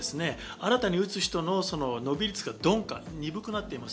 新たに打つ人の伸び率が鈍化、鈍くなっています。